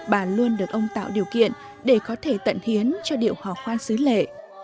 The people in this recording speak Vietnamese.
bà luôn được ông tạo điều kiện để có thể tận hiến cho điệu hóa khoan sứ lệ